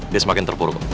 dia semakin terpuru kok